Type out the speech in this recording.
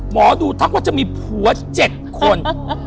หมอดูทั้งวันจะมีผัวเจ็ดคน